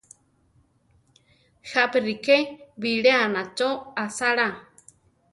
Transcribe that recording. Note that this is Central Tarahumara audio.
Jápi ríke biléana cho asála.